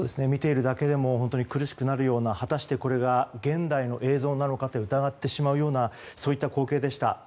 見ているだけでも苦しくなるよう、果たしてこれが現代の映像なのかと疑ってしまうようなそういった光景でした。